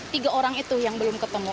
tiga orang itu yang belum ketemu